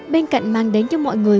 bên cạnh mang đến cho mọi người